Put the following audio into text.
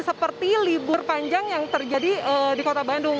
seperti libur panjang yang terjadi di kota bandung